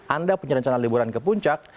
anda punya rencana liburan ke puncak